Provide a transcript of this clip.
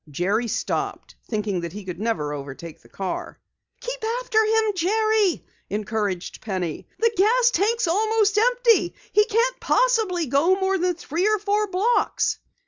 Jerry stopped, thinking that he never could overtake the car. "Keep after him, Jerry!" encouraged Penny. "The gas tank is almost empty. He can't possibly go more than three or four blocks!"